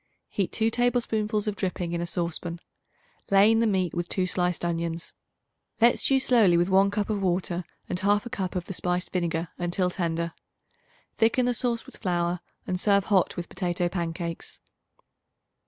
Heat 2 tablespoonfuls of dripping in a saucepan; lay in the meat with 2 sliced onions. Let stew slowly with one cup of water and 1/2 cup of the spiced vinegar until tender. Thicken the sauce with flour and serve hot with potato pancakes.